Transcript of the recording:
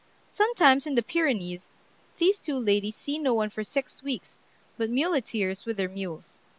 Sometimes in the Pyrenees these two ladies see no one for six weeks but muleteers with their mules.